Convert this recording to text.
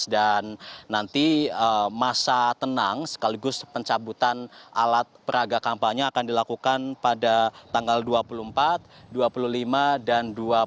dan nanti masa tenang sekaligus pencabutan alat peraga kampanye akan dilakukan pada tanggal dua puluh empat dua puluh lima dan dua puluh enam